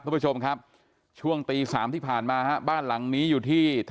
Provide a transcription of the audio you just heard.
คุณผู้ชมครับช่วงตี๓ที่ผ่านมาฮะบ้านหลังนี้อยู่ที่